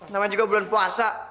namanya juga bulan puasa